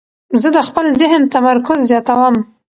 زه د خپل ذهن تمرکز زیاتوم.